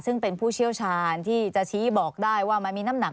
ซึ่งเป็นผู้เชี่ยวชาญที่จะชี้บอกได้ว่ามันมีน้ำหนัก